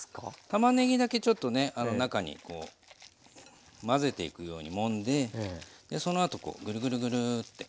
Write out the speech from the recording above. たまねぎだけちょっとね中に混ぜていくようにもんでその後こうグルグルグルーッて。